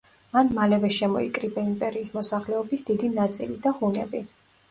მან მალევე შემოიკრიბა იმპერიის მოსახლეობის დიდი ნაწილი და ჰუნები.